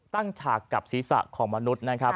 ฉากกับศีรษะของมนุษย์นะครับ